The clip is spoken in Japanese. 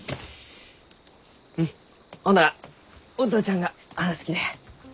うんほんならお父ちゃんが話すきね。